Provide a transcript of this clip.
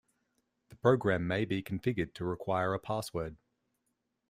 The program may be configured to require a password.